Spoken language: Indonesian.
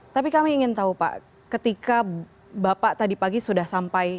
tapi kami ingin tahu pak ketika bapak tadi pagi sudah sampai